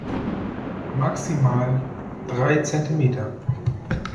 Maximal drei Zentimeter.